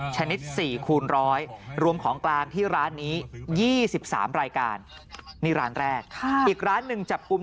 ชนิด๔คูณร้อยรวมของกลางที่ร้านนี้๒๓รายการนี่ร้านแรกอีกร้านหนึ่งจับกลุ่ม